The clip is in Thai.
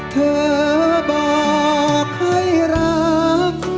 เธอบอกให้รัก